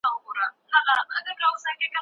هغه وویل چي اوبه مهمي دي.